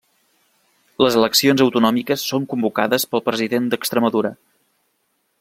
Les eleccions autonòmiques són convocades pel president d'Extremadura.